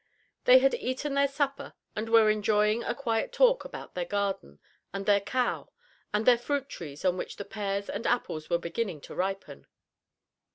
They had eaten their supper and were enjoying a quiet talk about their garden, and their cow, and the fruit trees on which the pears and apples were beginning to ripen.